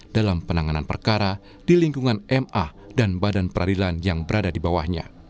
dalam penanganan perkara di lingkungan ma dan badan peradilan yang berada di bawahnya